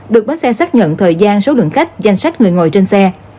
được bến xe xác nhận thời gian số lượng khách danh sách người ngồi trên xe